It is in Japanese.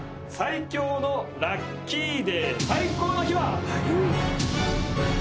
最強のラッキーデー最高の日は。